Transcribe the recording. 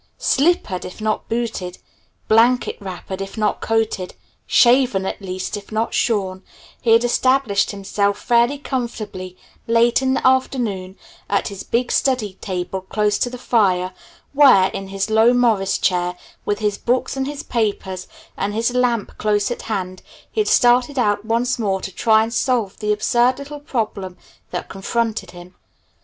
Slippered if not booted, blanket wrappered if not coated, shaven at least, if not shorn, he had established himself fairly comfortably, late in the afternoon, at his big study table close to the fire, where, in his low Morris chair, with his books and his papers and his lamp close at hand, he had started out once more to try and solve the absurd little problem that confronted him.